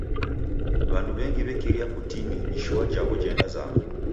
W'andu w'engi w'ekiria kutini ishua jaw'o jendazama.